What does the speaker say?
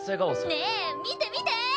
ねえ見て見てー！